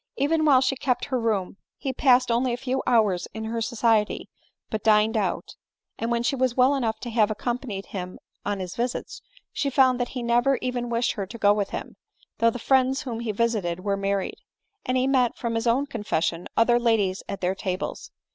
Even while she kept her room he passed only a few hours in her society, but dined out ; and when she was well enough to have accompanied him on his visits, she found that he never even wished her to go with him, though the friends whom he visited were married ; and he met, from his own confession, other ladies at their tables.